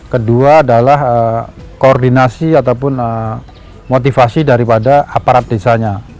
kedua adalah koordinasi ataupun motivasi daripada aparat desanya